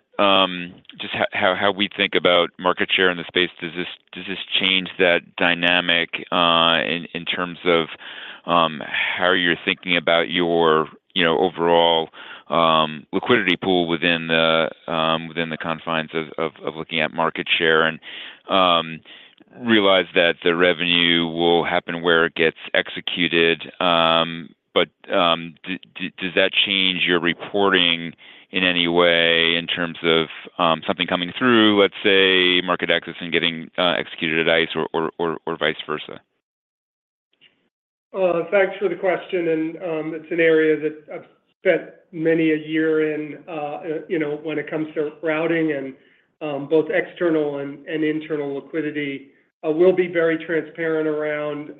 just how we think about market share in the space? Does this change that dynamic in terms of how you're thinking about your overall liquidity pool within the confines of looking at market share and realize that the revenue will happen where it gets executed? But does that change your reporting in any way in terms of something coming through, let's say, MarketAxess and getting executed at ICE or vice versa? It's actually the question, and it's an area that I've spent many a year in when it comes to routing and both external and internal liquidity. We'll be very transparent around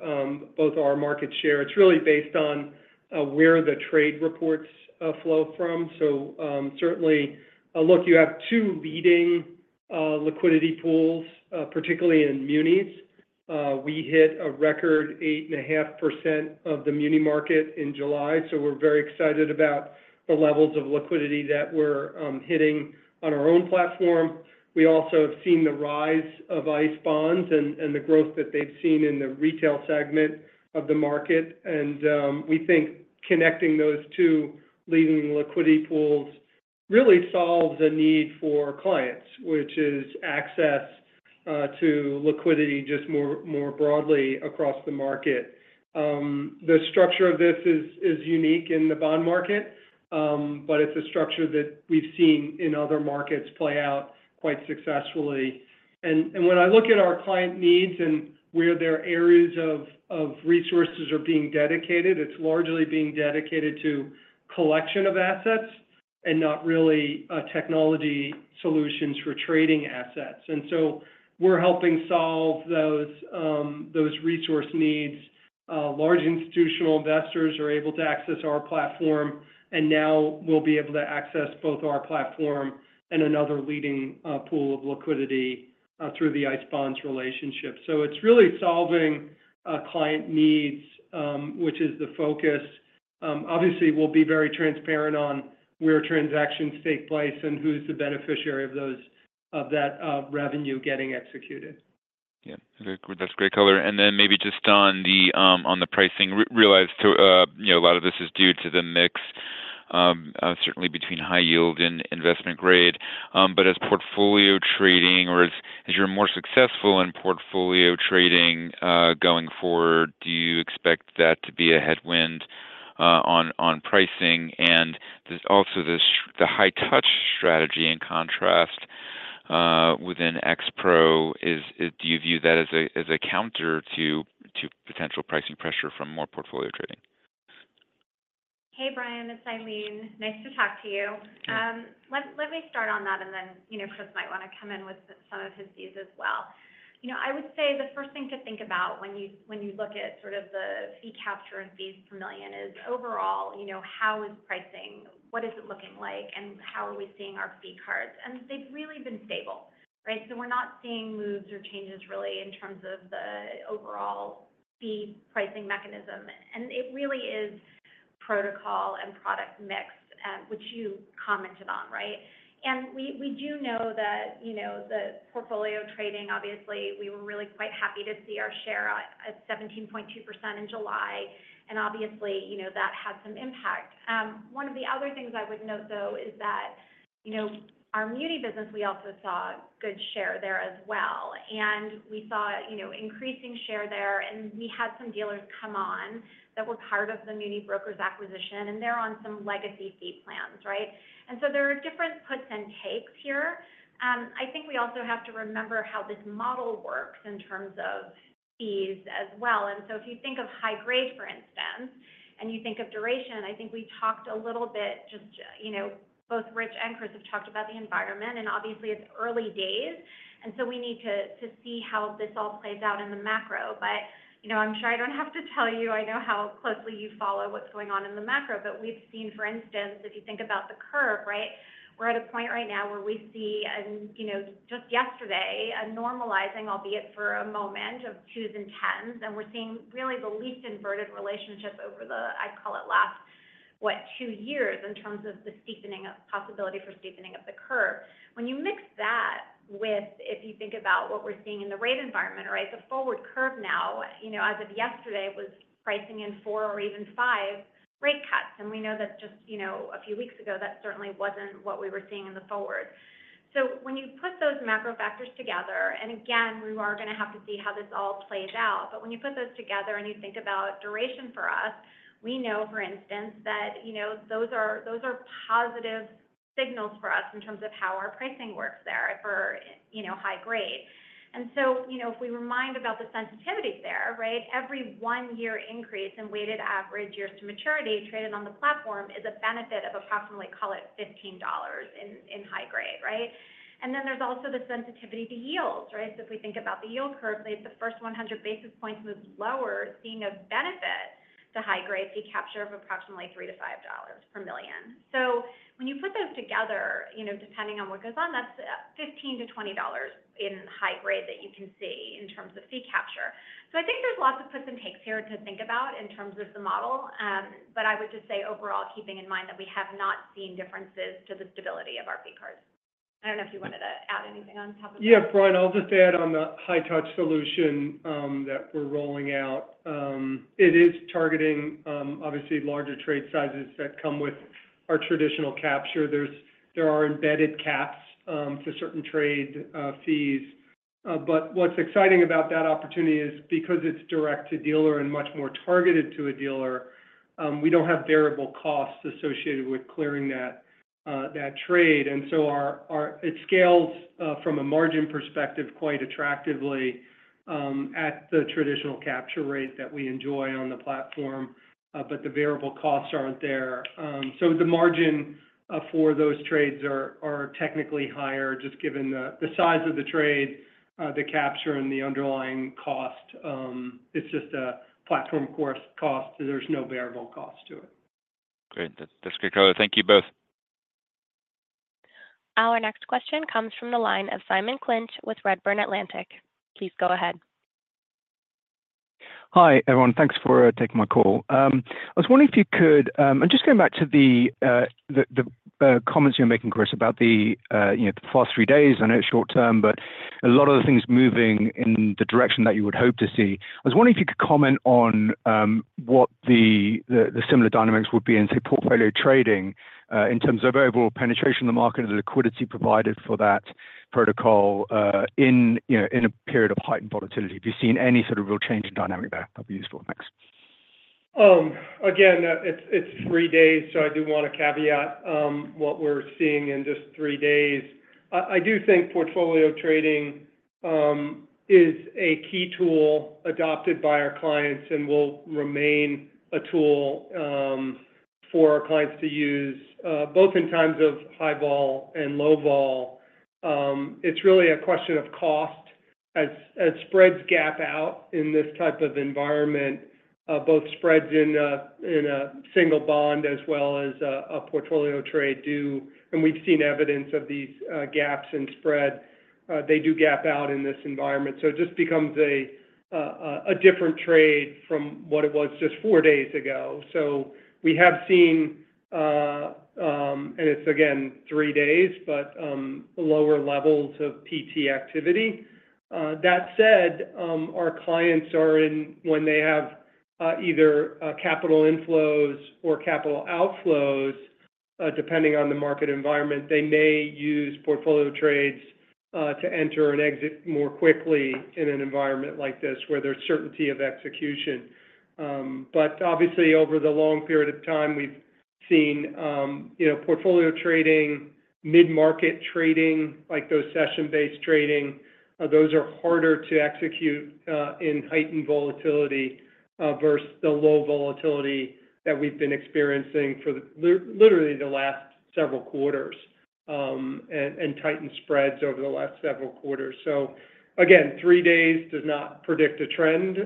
both our market share. It's really based on where the trade reports flow from. So certainly, look, you have two leading liquidity pools, particularly in munis. We hit a record 8.5% of the muni market in July. So we're very excited about the levels of liquidity that we're hitting on our own platform. We also have seen the rise of ICE Bonds and the growth that they've seen in the retail segment of the market. And we think connecting those two leading liquidity pools really solves a need for clients, which is access to liquidity just more broadly across the market. The structure of this is unique in the bond market, but it's a structure that we've seen in other markets play out quite successfully. When I look at our client needs and where their areas of resources are being dedicated, it's largely being dedicated to collection of assets and not really technology solutions for trading assets. We're helping solve those resource needs. Large institutional investors are able to access our platform, and now we'll be able to access both our platform and another leading pool of liquidity through the ICE Bonds relationship. It's really solving client needs, which is the focus. Obviously, we'll be very transparent on where transactions take place and who's the beneficiary of that revenue getting executed. Yeah, that's great color. And then maybe just on the pricing, realize a lot of this is due to the mix, certainly between high yield and investment grade. But as portfolio trading, or as you're more successful in portfolio trading going forward, do you expect that to be a headwind on pricing? And also, the high-touch strategy, in contrast within XPRO, do you view that as a counter to potential pricing pressure from more portfolio trading? Hey, Brian, it's Ilene. Nice to talk to you. Let me start on that, and then Chris might want to come in with some of his views as well. I would say the first thing to think about when you look at sort of the fee capture and fees per million is overall, how is pricing? What is it looking like? And how are we seeing our fee capture? And they've really been stable. So we're not seeing moves or changes really in terms of the overall fee pricing mechanism. And it really is protocol and product mix, which you commented on. And we do know that the portfolio trading, obviously, we were really quite happy to see our share at 17.2% in July. And obviously, that had some impact. One of the other things I would note, though, is that our muni business, we also saw good share there as well. We saw increasing share there. We had some dealers come on that were part of the MuniBrokers acquisition, and they're on some legacy fee plans. So, there are different puts and takes here. I think we also have to remember how this model works in terms of fees as well. If you think of high grade, for instance, and you think of duration, I think we talked a little bit just both Rich and Chris have talked about the environment, and obviously, it's early days. We need to see how this all plays out in the macro. But I'm sure I don't have to tell you. I know how closely you follow what's going on in the macro. But we've seen, for instance, if you think about the curve, we're at a point right now where we see, just yesterday, a normalizing, albeit for a moment, of 2s and 10s. And we're seeing really the least inverted relationship over the, I'd call it last, what, 2 years in terms of the possibility for steepening of the curve. When you mix that with, if you think about what we're seeing in the rate environment, the forward curve now, as of yesterday, was pricing in 4 or even 5 rate cuts. And we know that just a few weeks ago, that certainly wasn't what we were seeing in the forward. So when you put those macro factors together, and again, we are going to have to see how this all plays out. But when you put those together and you think about duration for us, we know, for instance, that those are positive signals for us in terms of how our pricing works there for high grade. And so if we remind about the sensitivity there, every one-year increase in weighted average years to maturity traded on the platform is a benefit of approximately, call it $15 in high grade. And then there's also the sensitivity to yields. So, if we think about the yield curve, the first 100 basis points move lower, seeing a benefit to high grade fee capture of approximately $3-$5 per million. So, when you put those together, depending on what goes on, that's $15-$20 in high grade that you can see in terms of fee capture. So, I think there's lots of puts and takes here to think about in terms of the model. But I would just say overall, keeping in mind that we have not seen differences to the stability of our fee capture. I don't know if you wanted to add anything on top of that. Yeah, Brian, I'll just add on the high-touch solution that we're rolling out. It is targeting, obviously, larger trade sizes that come with our traditional capture. There are embedded caps for certain trade fees. But what's exciting about that opportunity is because it's direct to dealer and much more targeted to a dealer, we don't have variable costs associated with clearing that trade. And so, it scales from a margin perspective quite attractively at the traditional capture rate that we enjoy on the platform, but the variable costs aren't there. So, the margin for those trades are technically higher, just given the size of the trade, the capture, and the underlying cost. It's just a platform cost. There's no variable cost to it. Great. That's great color. Thank you both. Our next question comes from the line of Simon Clinch with Redburn Atlantic. Please go ahead. Hi, everyone. Thanks for taking my call. I was wondering if you could, I'm just going back to the comments you're making, Chris, about the past 3 days. I know it's short term, but a lot of the things moving in the direction that you would hope to see. I was wondering if you could comment on what the similar dynamics would be in, say, portfolio trading in terms of overall penetration in the market and the liquidity provided for that protocol in a period of heightened volatility. If you've seen any sort of real change in dynamic there, that'd be useful. Thanks. Again, it's three days, so I do want to caveat what we're seeing in just three days. I do think portfolio trading is a key tool adopted by our clients and will remain a tool for our clients to use, both in times of high vol and low vol. It's really a question of cost as spreads gap out in this type of environment, both spreads in a single bond as well as a portfolio trade do. And we've seen evidence of these gaps in spread. They do gap out in this environment. So, it just becomes a different trade from what it was just four days ago. So, we have seen, and it's again, three days, but lower levels of PT activity. That said, our clients are in when they have either capital inflows or capital outflows. Depending on the market environment, they may use portfolio trades to enter and exit more quickly in an environment like this where there's certainty of execution. But obviously, over the long period of time, we've seen portfolio trading, mid-market trading, like those session-based trading. Those are harder to execute in heightened volatility versus the low volatility that we've been experiencing for literally the last several quarters and tightened spreads over the last several quarters. So again, three days does not predict a trend,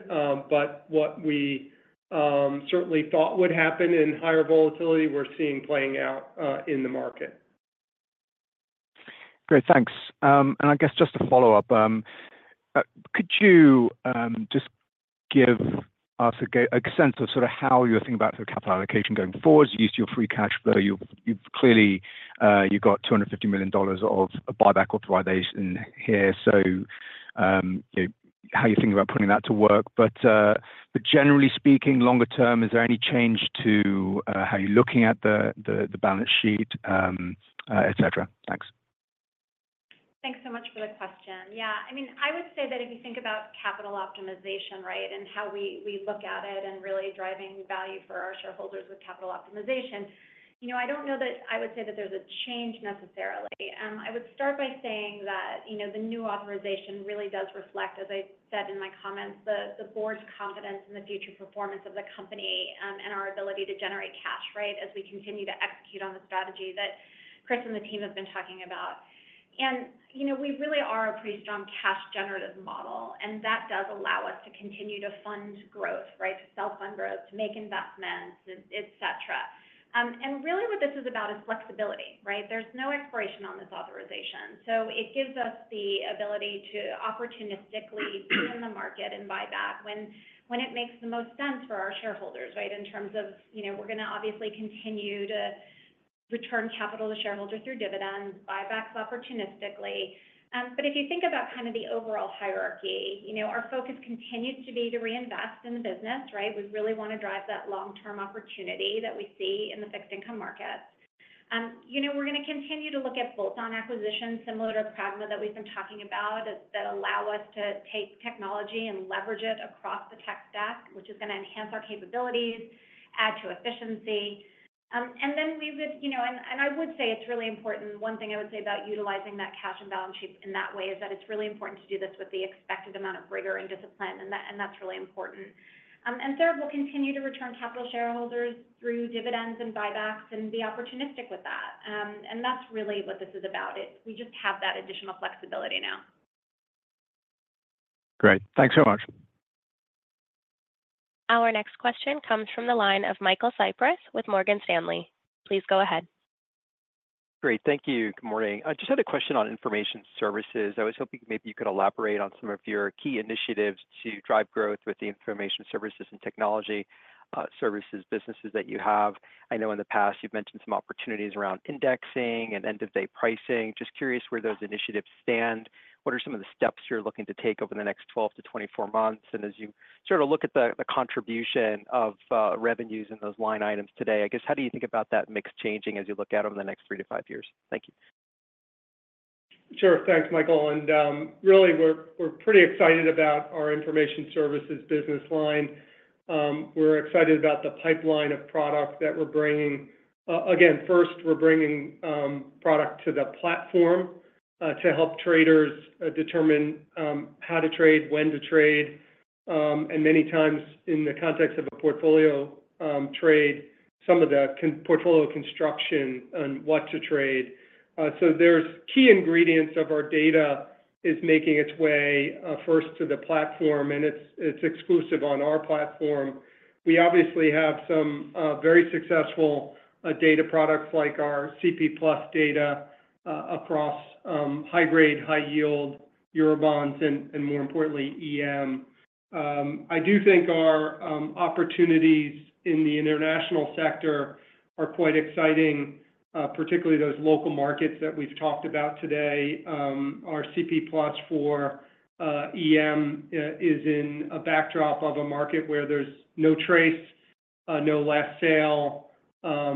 but what we certainly thought would happen in higher volatility, we're seeing playing out in the market. Great. Thanks. And I guess just to follow up, could you just give us a sense of sort of how you're thinking about your capital allocation going forward? You used your free cash flow. Clearly, you've got $250 million of buyback authorization here. So how are you thinking about putting that to work? But generally speaking, longer term, is there any change to how you're looking at the balance sheet, etc.? Thanks. Thanks so much for the question. Yeah. I mean, I would say that if you think about capital optimization and how we look at it and really driving value for our shareholders with capital optimization, I don't know that I would say that there's a change necessarily. I would start by saying that the new authorization really does reflect, as I said in my comments, the board's confidence in the future performance of the company and our ability to generate cash as we continue to execute on the strategy that Chris and the team have been talking about. We really are a pretty strong cash-generative model, and that does allow us to continue to fund growth, to self-fund growth, to make investments, etc. Really what this is about is flexibility. There's no expiration on this authorization. So it gives us the ability to opportunistically be in the market and buy back when it makes the most sense for our shareholders in terms of we're going to obviously continue to return capital to shareholders through dividends, buybacks opportunistically. But if you think about kind of the overall hierarchy, our focus continues to be to reinvest in the business. We really want to drive that long-term opportunity that we see in the fixed income market. We're going to continue to look at bolt-on acquisitions, similar to Pragma that we've been talking about, that allow us to take technology and leverage it across the tech stack, which is going to enhance our capabilities, add to efficiency. And then we would, and I would say it's really important. One thing I would say about utilizing that cash and balance sheet in that way is that it's really important to do this with the expected amount of rigor and discipline, and that's really important. Third, we'll continue to return capital to shareholders through dividends and buybacks and be opportunistic with that. That's really what this is about. We just have that additional flexibility now. Great. Thanks so much. Our next question comes from the line of Michael Cyprys with Morgan Stanley. Please go ahead. Great. Thank you. Good morning. I just had a question on information services. I was hoping maybe you could elaborate on some of your key initiatives to drive growth with the information services and technology services businesses that you have. I know in the past you've mentioned some opportunities around indexing and end-of-day pricing. Just curious where those initiatives stand. What are some of the steps you're looking to take over the next 12 to 24 months? And as you sort of look at the contribution of revenues in those line items today, I guess, how do you think about that mix changing as you look at it over the next three to five years? Thank you. Sure. Thanks, Michael. And really, we're pretty excited about our information services business line. We're excited about the pipeline of product that we're bringing. Again, first, we're bringing product to the platform to help traders determine how to trade, when to trade, and many times in the context of a portfolio trade, some of the portfolio construction on what to trade. So there's key ingredients of our data is making its way first to the platform, and it's exclusive on our platform. We obviously have some very successful data products like our CP+ data across high-grade, high-yield Eurobonds and, more importantly, EM. I do think our opportunities in the international sector are quite exciting, particularly those local markets that we've talked about today. Our CP+ for EM is in a backdrop of a market where there's no trace, no last sale.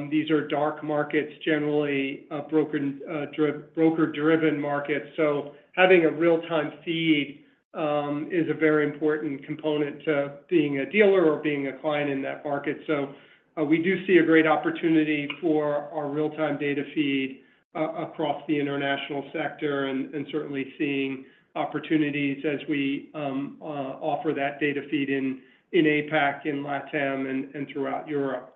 These are dark markets, generally broker-driven markets. So having a real-time feed is a very important component to being a dealer or being a client in that market. So, we do see a great opportunity for our real-time data feed across the international sector and certainly seeing opportunities as we offer that data feed in APAC, in LATAM, and throughout Europe.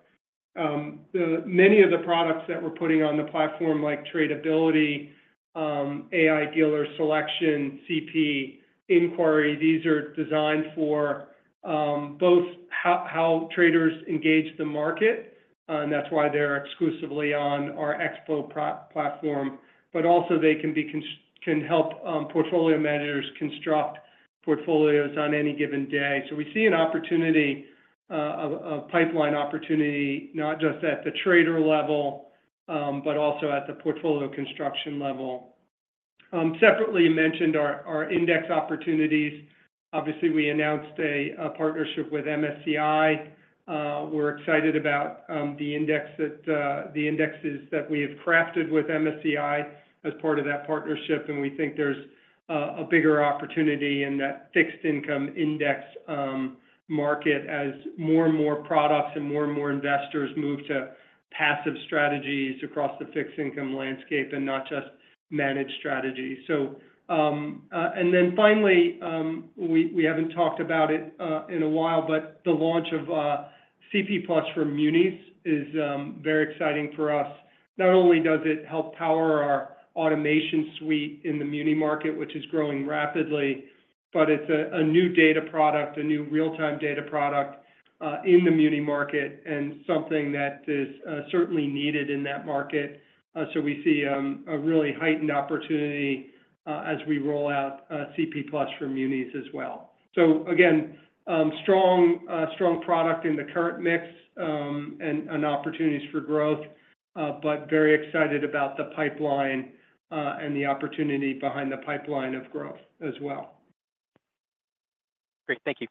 Many of the products that we're putting on the platform, like Tradability, AI Dealer Selection, CP Inquiry, these are designed for both how traders engage the market, and that's why they're exclusively on our X-Pro platform. But also, they can help portfolio managers construct portfolios on any given day. So, we see an opportunity of pipeline opportunity, not just at the trader level, but also at the portfolio construction level. Separately, you mentioned our index opportunities. Obviously, we announced a partnership with MSCI. We're excited about the indexes that we have crafted with MSCI as part of that partnership, and we think there's a bigger opportunity in that fixed income index market as more and more products and more and more investors move to passive strategies across the fixed income landscape and not just managed strategies. Then finally, we haven't talked about it in a while, but the launch of CP+ for munis is very exciting for us. Not only does it help power our automation suite in the muni market, which is growing rapidly, but it's a new data product, a new real-time data product in the muni market and something that is certainly needed in that market. We see a really heightened opportunity as we roll out CP+ for munis as well. Again, strong product in the current mix and opportunities for growth, but very excited about the pipeline and the opportunity behind the pipeline of growth as well. Great. Thank you.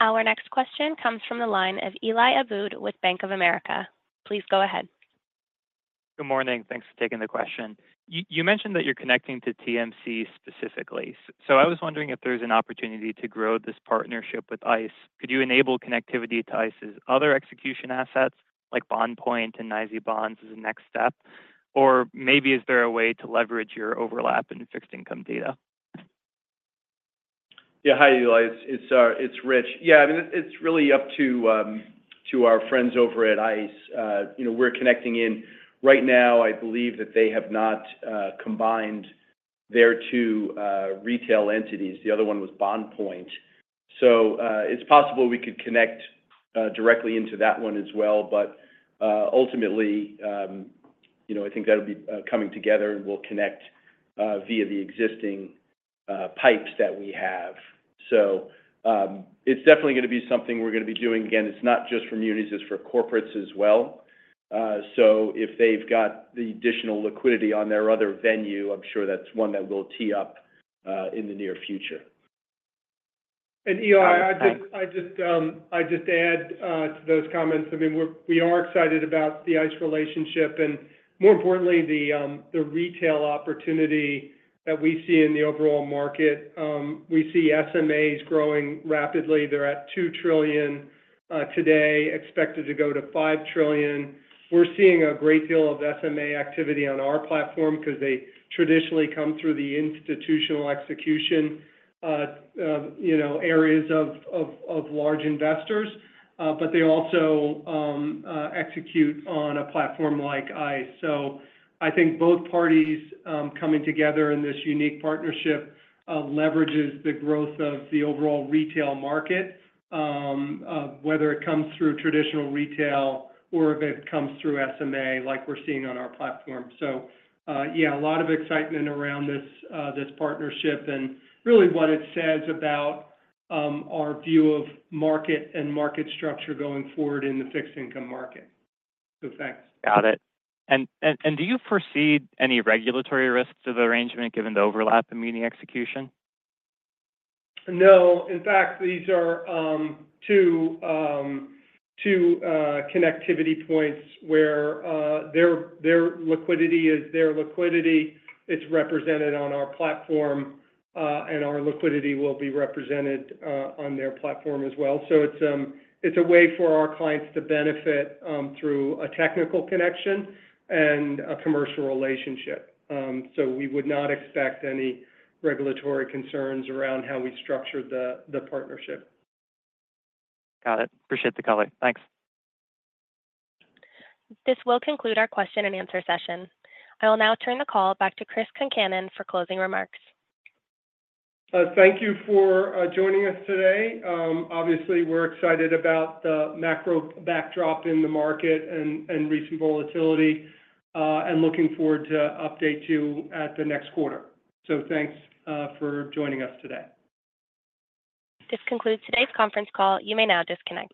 Our next question comes from the line of Eli Abboud with Bank of America. Please go ahead. Good morning. Thanks for taking the question. You mentioned that you're connecting to TMC specifically. So, I was wondering if there's an opportunity to grow this partnership with ICE. Could you enable connectivity to ICE's other execution assets like BondPoint and NYSE Bonds as a next step? Or maybe is there a way to leverage your overlap in fixed income data? Yeah. Hi, Eli. It's Rich. Yeah. I mean, it's really up to our friends over at ICE. We're connecting in right now. I believe that they have not combined their two retail entities. The other one was BondPoint. So, it's possible we could connect directly into that one as well. But ultimately, I think that'll be coming together, and we'll connect via the existing pipes that we have. So, it's definitely going to be something we're going to be doing. Again, it's not just for Munis. It's for corporates as well. So, if they've got the additional liquidity on their other venue, I'm sure that's one that will tee up in the near future. Eli, I just add to those comments. I mean, we are excited about the ICE relationship and, more importantly, the retail opportunity that we see in the overall market. We see SMAs growing rapidly. They're at $2 trillion today, expected to go to $5 trillion. We're seeing a great deal of SMA activity on our platform because they traditionally come through the institutional execution areas of large investors, but they also execute on a platform like ICE. So I think both parties coming together in this unique partnership leverages the growth of the overall retail market, whether it comes through traditional retail or if it comes through SMA, like we're seeing on our platform. So yeah, a lot of excitement around this partnership and really what it says about our view of market and market structure going forward in the fixed income market. So, thanks. Got it. Do you foresee any regulatory risks to the arrangement given the overlap in muni execution? No. In fact, these are two connectivity points where their liquidity is their liquidity. It's represented on our platform, and our liquidity will be represented on their platform as well. So it's a way for our clients to benefit through a technical connection and a commercial relationship. So we would not expect any regulatory concerns around how we structure the partnership. Got it. Appreciate the color. Thanks. This will conclude our question-and-answer session. I will now turn the call back to Chris Concannon for closing remarks. Thank you for joining us today. Obviously, we're excited about the macro backdrop in the market and recent volatility and looking forward to update you at the next quarter. So, thanks for joining us today. This concludes today's conference call. You may now disconnect.